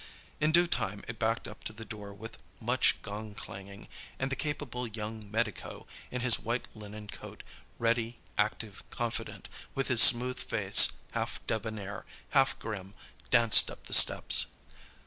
In due time it backed up to the door with much gong clanging, and the capable young medico, in his white linen coat, ready, active, confident, with his smooth face half debonair, half grim, danced up the steps.